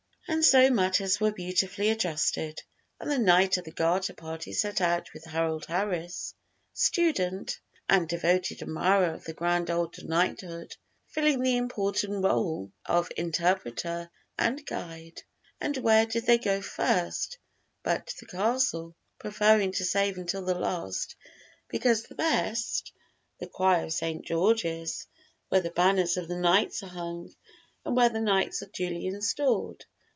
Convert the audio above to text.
And so matters were beautifully adjusted, and the Knight of the Garter party set out with Harold Harris, student and devoted admirer of the grand old knighthood, filling the important role of interpreter and guide. And where did they go first but to the castle, preferring to save until the last, because the best, the choir of St. George's, where the banners of the knights are hung and where the knights are duly installed.